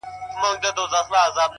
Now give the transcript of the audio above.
صبر وکړه لا دي زمانه راغلې نه ده،